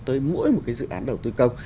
tới mỗi một cái dự án đầu tư công